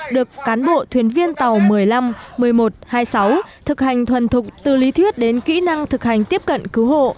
được cán bộ thuyền viên tàu một mươi năm một mươi một hai mươi sáu thực hành thuần thục từ lý thuyết đến kỹ năng thực hành tiếp cận cứu hộ